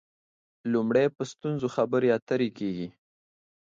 لومړی په ستونزو خبرې اترې کېږي.